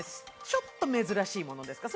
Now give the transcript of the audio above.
ちょっと珍しいものですか？